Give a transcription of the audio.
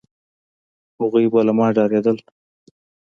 هغوی به له ما ډارېدل،